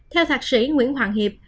theo thạc sĩ nguyễn hoàng hiệp